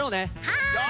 はい！